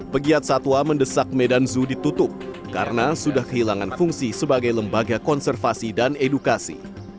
pegiat satwa mendesak medan zoo ditutup karena sudah kehilangan fungsi sebagai lembaga konservasi dan edukasi